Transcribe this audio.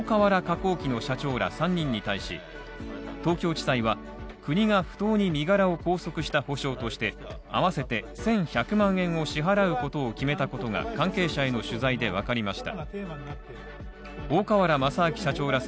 工機の社長ら３人に対し、東京地裁は、国が不当に身柄を拘束した補償として、合わせて１２００万円を支払うことを決めたことが関係者への取材でわかりました。